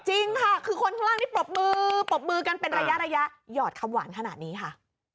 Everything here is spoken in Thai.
จริงค่ะคือคนข้างล่างที่ปรบมือปรบมือกันเป็นระยะหยอดคำหวานขนาดนี้ค่ะ